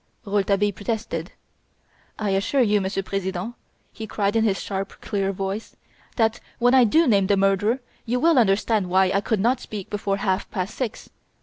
Rouletabille protested. "I assure you, Monsieur President," he cried in his sharp, clear voice, "that when I do name the murderer you will understand why I could not speak before half past six.